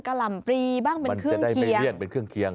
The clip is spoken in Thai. กะหล่ำปรีบ้างเป็นเครื่องเคียง